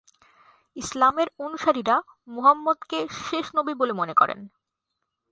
ইসলামের অনুসারীরা মুহাম্মদ -কে শেষ নবী বলে মনে করেন।